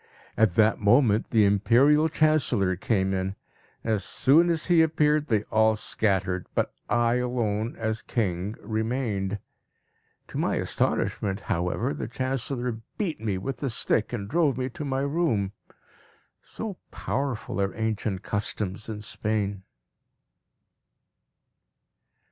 At that moment the Imperial Chancellor came in. As soon as he appeared, they all scattered, but I alone, as king, remained. To my astonishment, however, the Chancellor beat me with the stick and drove me to my room. So powerful are ancient customs in Spain!